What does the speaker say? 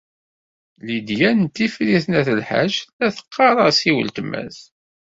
Lidya n Tifrit n At Lḥaǧ tella teɣɣar-as i weltma-s.